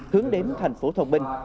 hướng đến thành phố thông bình